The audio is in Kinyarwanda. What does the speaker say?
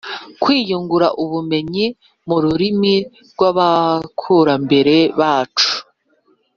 kwiyungura ubumenyi mu rurimi rw’abakurambere bacu.